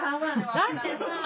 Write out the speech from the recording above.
だってさ。